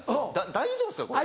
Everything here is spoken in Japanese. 「大丈夫ですか？これ」。